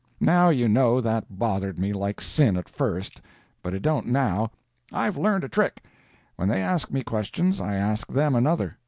Now you know that bothered me like sin, at first, but it don't now. I've learned a trick. When they ask me questions, I ask them another.